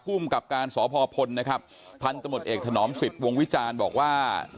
ภูมิกับการสพพลนะครับพันธมตเอกถนอมสิทธิ์วงวิจารณ์บอกว่า